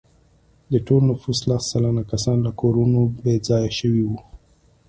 د ټول نفوس لس سلنه کسان له کورونو بې ځایه شوي وو.